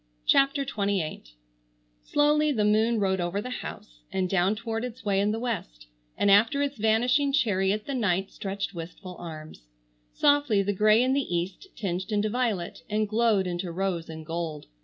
CHAPTER XXVIII Slowly the moon rode over the house, and down toward its way in the West, and after its vanishing chariot the night stretched wistful arms. Softly the grey in the East tinged into violet and glowed into rose and gold.